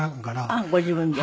あっご自分で。